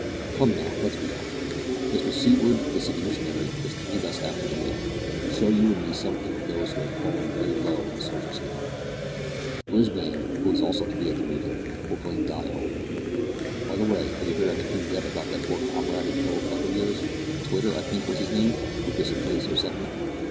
Come, now, let us be off. Mr Seaward, the city missionary, is to meet us after the meeting, and show you and me something of those who have fallen very low in the social scale. Brisbane, who is also to be at the meeting, will bring Di home. By the way, have you heard anything yet about that poor comrade and fellow clerk of yours Twitter, I think, was his name who disappeared so suddenly?"